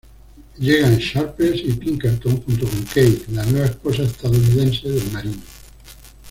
Llegan Sharpless y Pinkerton, junto con Kate, la nueva esposa estadounidense del marino.